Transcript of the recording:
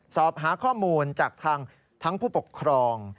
สอบหาข้อมูลจากทั้งผู้ปกครอง